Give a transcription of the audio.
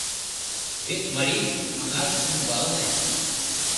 Вет марий аҥаж ӱмбалне